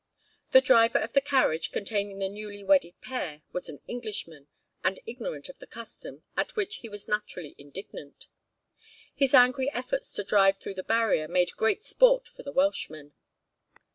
The driver of the carriage containing the newly wedded pair was an Englishman, and ignorant of the custom, at which he was naturally indignant. His angry efforts to drive through the barrier made great sport for the Welshmen.